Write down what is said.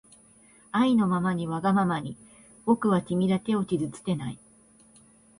あいのままにわがままにぼくはきみだけをきずつけない